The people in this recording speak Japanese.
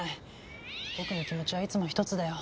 僕の気持ちはいつも一つだよ。